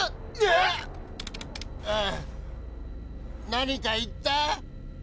えっ⁉何か言った？